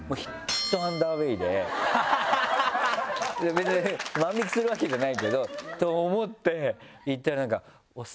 別に万引きするわけじゃないけどと思って行ったら。